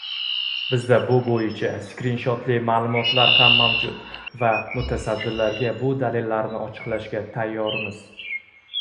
Bizda bu boʻyicha skrinshotli maʼlumotlar ham mavjud va mutasaddilarga bu dalillarni ochiqlashga tayyormiz.